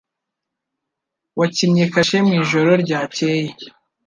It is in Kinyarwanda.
Wakinnye kashe mu ijoro ryakeye?